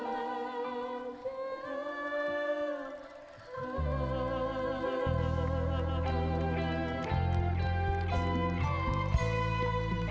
yang masyurku main di kata orang